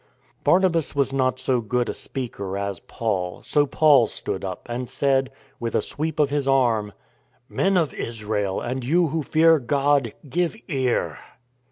Barnabas was not so good a speaker as Paul; so Paul stood up and said, with a sweep of his arm :" Men of Israel and you who fear God, give ear."